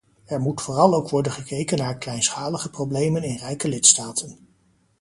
Er moet vooral ook worden gekeken naar kleinschalige problemen in rijke lidstaten.